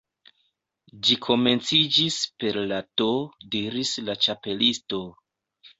"Ĝi komenciĝis per la T" diris la Ĉapelisto.